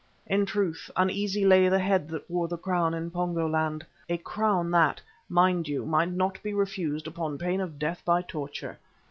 In truth uneasy lay the head that wore a crown in Pongo land, a crown that, mind you, might not be refused upon pain of death by torture.